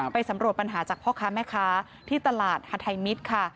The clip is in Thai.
สำรวจปัญหาจากพ่อค้าแม่ค้าที่ตลาดฮาไทมิตรค่ะ